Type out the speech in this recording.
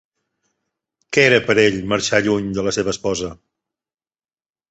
Què era per ell marxar lluny de la seva esposa?